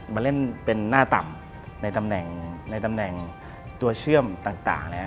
มาเล่นเป็นหน้าต่ำในตำแหน่งตัวเชื่อมต่าง